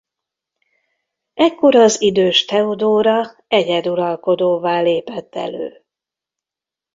Ekkor az idős Theodóra egyeduralkodóvá lépett elő.